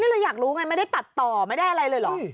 เราอยากรู้ไงไม่ได้ตัดต่อไม่ได้อะไรเลยเหรอ